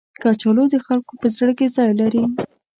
کچالو د خلکو په زړه کې ځای لري